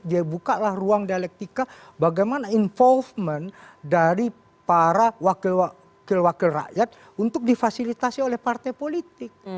dia bukalah ruang dialektika bagaimana involvement dari para wakil wakil rakyat untuk difasilitasi oleh partai politik